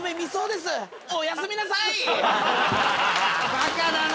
バカだな！